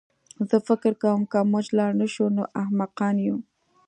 زه فکر کوم که موږ لاړ نه شو نو احمقان یو